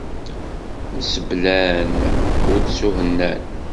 Mseblan ur ttuhennan.